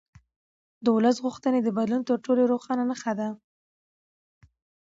د ولس غوښتنې د بدلون تر ټولو روښانه نښه ده